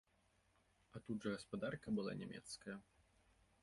А тут жа гаспадарка была нямецкая!